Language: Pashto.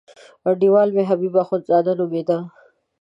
انډیوال مې حبیب اخندزاده نومېده.